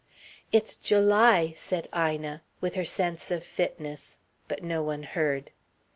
"It's July," said Ina, with her sense of fitness, but no one heard.